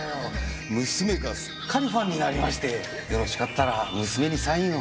娘がすっかりファンになりましてよろしかったら娘にサインを。